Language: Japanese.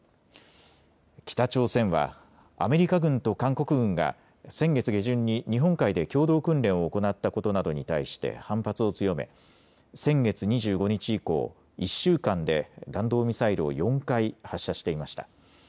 北朝鮮はアメリカ軍と韓国軍が先月下旬に日本海で共同訓練を行ったことなどに対して反発を強め、先月２５日以降、１週間で弾道ミサイルを４回発射していました。